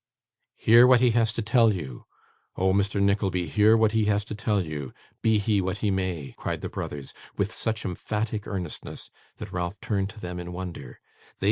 'Hear what he has to tell you. Oh, Mr. Nickleby, hear what he has to tell you, be he what he may!' cried the brothers, with such emphatic earnestness, that Ralph turned to them in wonder.